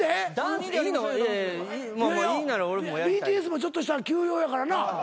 ＢＴＳもちょっとしたら休養やからな。